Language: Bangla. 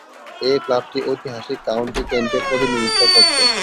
এ ক্লাবটি ঐতিহাসিক কাউন্টি কেন্টের প্রতিনিধিত্ব করছে।